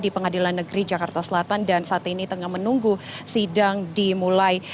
di pengadilan negeri jakarta selatan dan saat ini tengah menunggu sidang dimulai